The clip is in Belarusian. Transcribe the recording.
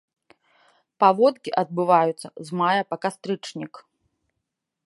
Паводкі адбываюцца з мая па кастрычнік.